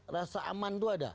rasa aman itu ada